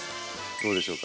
どうでしょうか